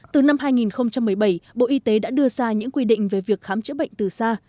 từ năm hai nghìn một mươi bảy bộ y tế đã đưa ra những quy định về việc khám chữa bệnh từ xa